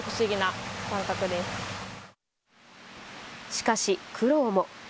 しかし、苦労も。